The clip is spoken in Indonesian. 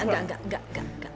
enggak enggak enggak